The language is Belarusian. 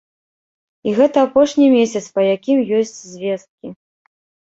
І гэта апошні месяц, па якім ёсць звесткі.